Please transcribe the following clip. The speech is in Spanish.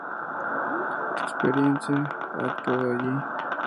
T Experience ha actuado allí.